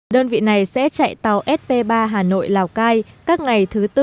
đơn vị này sẽ chạy tàu sp ba hà nội lào cai các ngày thứ tư